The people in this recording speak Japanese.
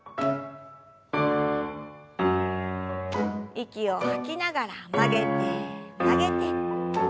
息を吐きながら曲げて曲げて。